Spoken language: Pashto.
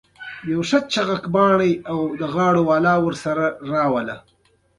مږور او خواښې دواړه جنګونه کوي